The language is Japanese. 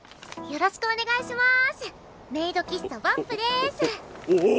よろしくお願いします。